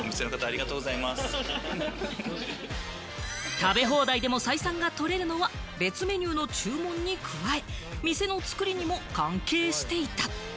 食べ放題でも採算が取れるのは、別メニューの注文に加え、店の作りにも関係していた。